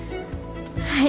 はい。